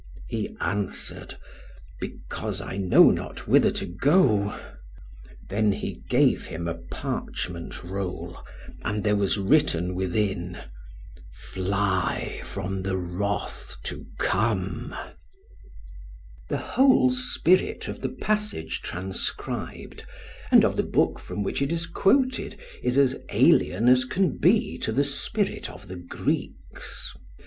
He answered, 'Because I know not whither to go.' Then he gave him a parchment roll, and there was written within, 'Fly from the wrath to come.'" The whole spirit of the passage transcribed, and of the book from which it is quoted, is as alien as can be to the spirit of the Greeks.